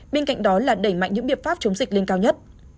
bên cạnh đó là đẩy mạnh những biện pháp chống dịch lên cao nhất